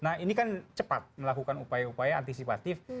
nah ini kan cepat melakukan upaya upaya antisipatif